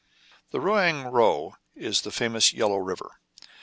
The Rouang Ro is the famous Yellow River.